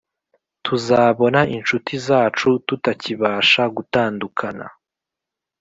tuzabona inshuti zacu, tutakibasha gutandukana.